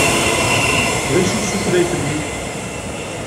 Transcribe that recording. D acu-tt tutlayt-nni?